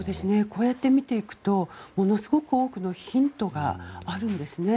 こうやって見ていくとものすごく多くのヒントがあるんですね。